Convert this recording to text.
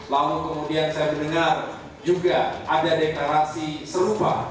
lalu kemudian saya mendengar juga ada deklarasi serupa